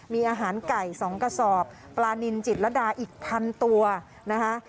มีอาหารไก่๒กระสอบปลานินจิตรดาอีกพันตัวนะคะ